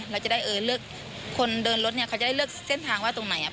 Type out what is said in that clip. เราจะได้เออเลือกคนเดินรถเนี่ยเขาจะได้เลือกเส้นทางว่าตรงไหน